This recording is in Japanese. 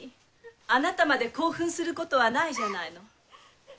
あなたまで興奮することはないじゃないの。